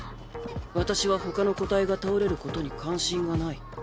私はほかの個体が倒れることに関心がない。